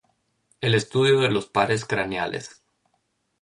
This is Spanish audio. El Estudio de los Pares Craneales.